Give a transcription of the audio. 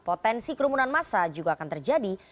potensi kerumunan massa juga akan terjadi